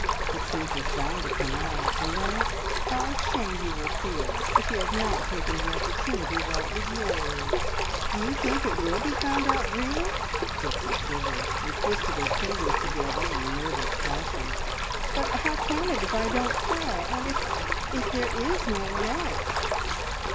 The truth is bound to come out, and then how ashamed you will feel, if you have not taken the opportunity while it was yours!" "Do you think it will be found out, really?" Pixie shivered, and twisted her fingers together in nervous fashion. "But how can it if I don't tell, and if if there is no one else?"